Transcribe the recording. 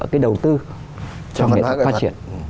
cái đầu tư cho nghệ thuật phát triển